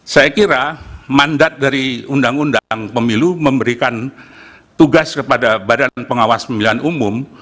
saya kira mandat dari undang undang pemilu memberikan tugas kepada badan pengawas pemilihan umum